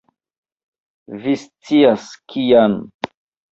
Vi scias, kian.